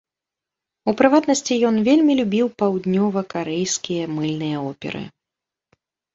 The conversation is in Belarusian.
У прыватнасці, ён вельмі любіў паўднёвакарэйскія мыльныя оперы.